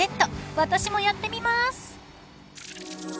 ［私もやってみます］